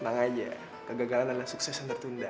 tenang aja kegagalan adalah sukses yang tertunda